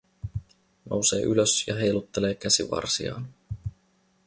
Nousee ylös ja heiluttelee käsivarsiaan.